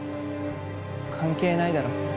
関係ないだろ。